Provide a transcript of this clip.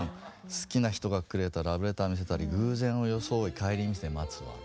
好きな人がくれたラブレター見せたり「偶然をよそおい帰り道で待つわ」。